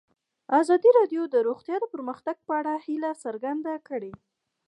ازادي راډیو د روغتیا د پرمختګ په اړه هیله څرګنده کړې.